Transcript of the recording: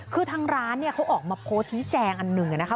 คือทางร้านเนี่ยเขาออกมาโพสต์ชี้แจงอันหนึ่งนะคะ